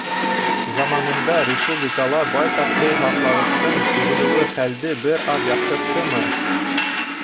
Заманында республикала байтаҡ һыу һаҡлағыстың төҙөлөүе хәлде бер аҙ яҡшырттымы?